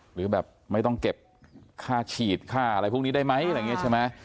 หรือแบบไม่ต้องเก็บค่าฉีดค่าอะไรพวกนี้ได้ไหมอะไรอย่างนี้ใช่ไหม